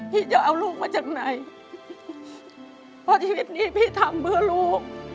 พี่จะเอาลูกมาจากไหนเพราะชีวิตนี้พี่ทำเพื่อลูก